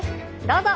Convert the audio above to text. どうぞ！